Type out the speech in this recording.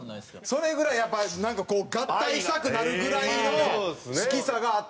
それぐらいやっぱなんかこう合体したくなるぐらいの好きさがあったわけやな。